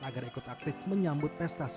agar ikut aktif menyambut pesta sepak bola dunia